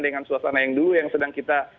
dengan suasana yang dulu yang sedang kita